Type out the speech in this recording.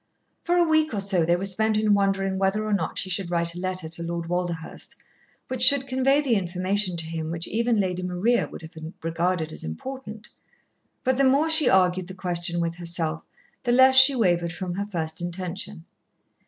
For a week or so they were spent in wondering whether or not she should write a letter to Lord Walderhurst which should convey the information to him which even Lady Maria would have regarded as important, but the more she argued the question with herself, the less she wavered from her first intention.